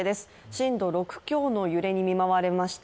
震度６強の揺れに見舞われました